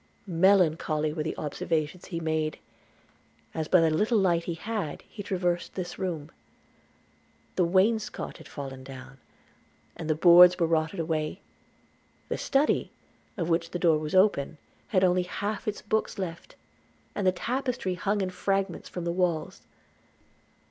Melancholy were the observations he made, as, by the little light he had; he traversed this room. The wainscot had fallen down, and the boards were rotted away: the study, of which the door was open, had only half its books left; and the tapestry hung in fragments from the walls.